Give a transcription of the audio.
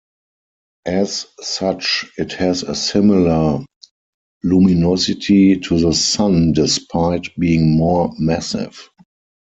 As such, it has a similar luminosity to the Sun despite being more massive.